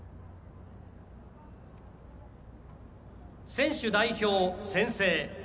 選手代表宣誓。